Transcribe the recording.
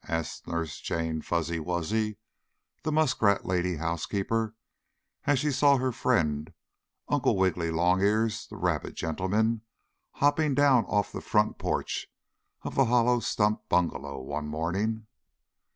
asked Nurse Jane Fuzzy Wuzzy, the muskrat lady housekeeper, as she saw her friend, Uncle Wiggily Longears, the rabbit gentleman, hopping down off the front porch of the hollow stump bungalow one morning.